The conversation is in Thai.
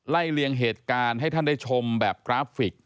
เลียงเหตุการณ์ให้ท่านได้ชมแบบกราฟิก